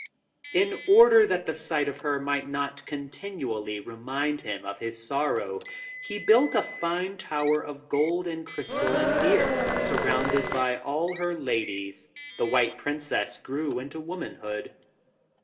In order that the sight of her might not continually remind him of his sorrow, he built a fine tower of gold and crystal, and here, surrounded by all her ladies, the White Princess grew into womanhood.